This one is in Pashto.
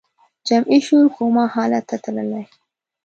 جمعي شعور کوما حالت ته تللی